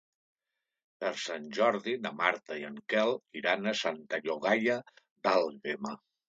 Per Sant Jordi na Marta i en Quel iran a Santa Llogaia d'Àlguema.